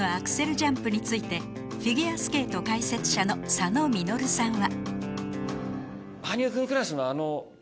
ジャンプについてフィギュアスケート解説者の佐野稔さんは